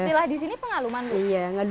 istilah disini pengaluman